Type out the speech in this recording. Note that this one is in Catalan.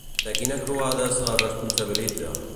De quina croada se la responsabilitza?